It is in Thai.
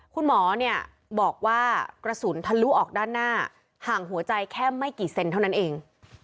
คุณหมอเนี่ยบอกว่ากระสุนทะลุออกด้านหน้าห่างหัวใจแค่ไม่กี่เซนเท่านั้นเอง